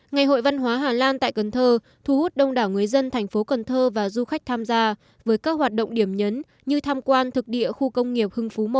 ngày hội văn hóa hà lan tại cần thơ thu hút đông đảo người dân thành phố cần thơ và du khách tham gia với các hoạt động điểm nhấn như tham quan thực địa khu công nghiệp hưng phú i